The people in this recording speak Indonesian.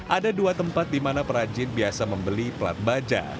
ada dua tempat di mana perajin biasa membeli pelat baja